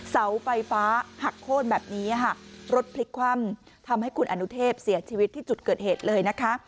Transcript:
เสาไฟฟ้าหักโค้นแบบนี้ค่ะรถพลิกคว่ำทำให้คุณอนุเทพเสียชีวิตที่จุดเกิดเหตุเลยนะคะ